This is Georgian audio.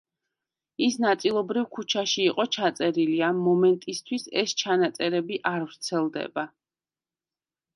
ის ნაწილობრივ ქუჩაში იყო ჩაწერილი, ამ მომენტისთვის ეს ჩაწერები არ ვრცელდება.